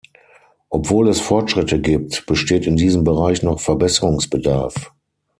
Obwohl es Fortschritte gibt, besteht in diesem Bereich noch Verbesserungsbedarf.